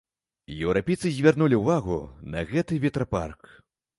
Еўрапейцы звярнулі ўвагу на гэты ветрапарк.